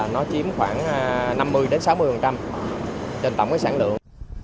nó chiếm khoảng năm mươi sáu mươi trên tổng cái sản lượng